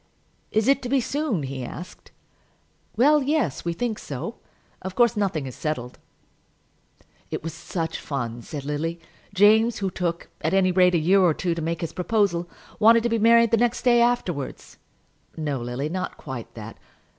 "Is it to be soon?" he asked. "Well, yes; we think so. Of course nothing is settled." "It was such fun," said Lily. "James, who took, at any rate, a year or two to make his proposal, wanted to be married the next day afterwards." "No, Lily; not quite that."